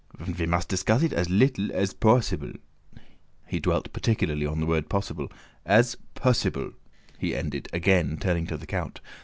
And ve must discuss it as little as po o ossible"... he dwelt particularly on the word possible... "as po o ossible," he ended, again turning to the count.